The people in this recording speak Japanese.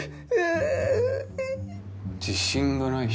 自信がない人？